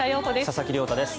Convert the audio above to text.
佐々木亮太です。